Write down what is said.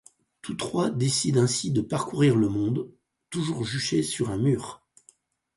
Tous trois décident ainsi de parcourir le monde, toujours juchés sur un mur.